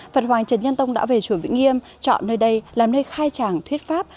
phật hoàng trần nhân tông đã về chùa vĩnh nghiêm chọn nơi đây làm nơi khai tràng thuyết pháp